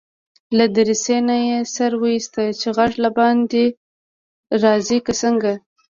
له دريڅې نه يې سر واېست چې غږ له باندي راځي که څنګه.